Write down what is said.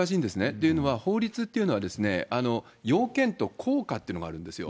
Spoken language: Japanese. というのは、法律というのは要件と効果というのがあるんですよ。